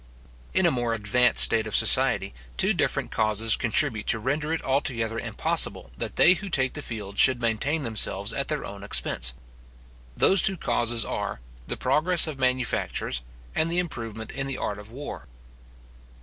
In a more advanced state of society, two different causes contribute to render it altogether impossible that they who take the field should maintain themselves at their own expense. Those two causes are, the progress of manufactures, and the improvement in the art of war.